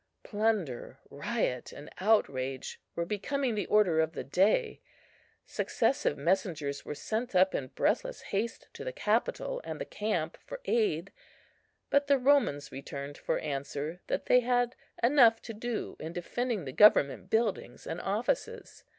Plunder, riot, and outrage were becoming the order of the day; successive messengers were sent up in breathless haste to the capitol and the camp for aid, but the Romans returned for answer that they had enough to do in defending the government buildings and offices.